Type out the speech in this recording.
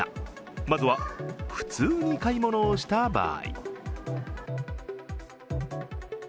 まずは、普通に買い物をした場合。